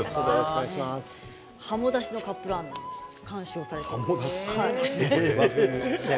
はもだしのカップラーメンを監修されています。